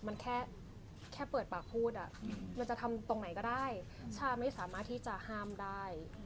มันแค่แค่เปิดปากพูดมันจะทำตรงไหนก็ได้ชาไม่สามารถที่จะห้ามได้